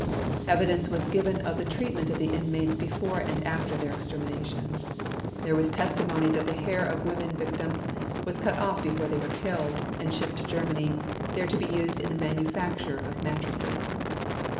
Evidence was given of the treatment of the inmates before and after their extermination. There was testimony that the hair of women victims was cut off before they were killed, and shipped to Germany, there to be used in the manufacture of mattresses.